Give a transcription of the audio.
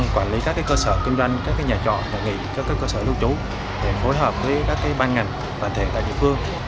quản lý các cơ sở kinh doanh các nhà trọ nhà nghị các cơ sở lưu trú để phối hợp với các ban ngành đoàn thể tại địa phương